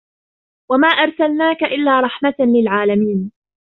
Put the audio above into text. وَمَا أَرْسَلْنَاكَ إِلَّا رَحْمَةً لِلْعَالَمِينَ